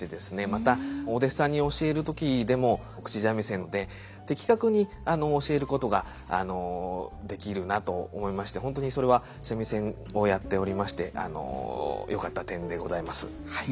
またお弟子さんに教える時でも口三味線で的確に教えることができるなと思いまして本当にそれは三味線をやっておりましてよかった点でございます。